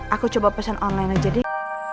aku coba pesan online aja deh